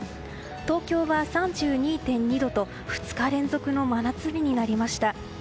東京は３２．２度と２日連続の真夏日になりました。